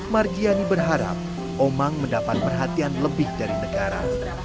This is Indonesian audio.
margiani berharap omang mendapat perhatian lebih dari negara